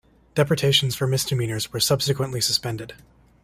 Deportations for misdemeanours were subsequently suspended.